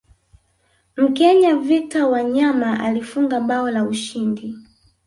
mkenya victor wanyama alifunga bao la ushindi